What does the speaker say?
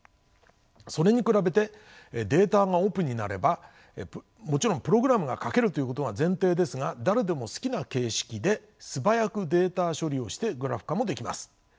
それに比べてデータがオープンになればもちろんプログラムが書けるということが前提ですが誰でも好きな形式で素早くデータ処理をしてグラフ化もできます。